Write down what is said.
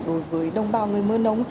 đối với đồng bào người mân âu